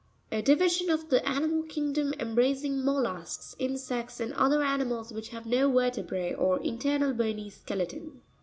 A division of the animal kingdom, embracing mollusks, insects, and other animals which have no ver tebre, or internal bony skeleton.